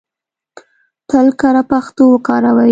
تل کره پښتو وکاروئ!